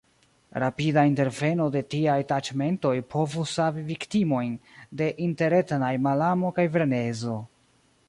Rapida interveno de tiaj taĉmentoj povus savi viktimojn de interetnaj malamo kaj frenezo.